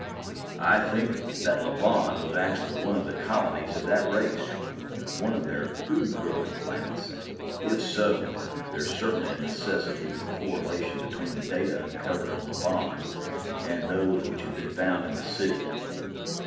"I think that Lobon was actually one of the colonies of that race one of their food growing planets. If so, there is certainly a necessity for correlation between the data uncovered on Lobon and those which have been found in the City."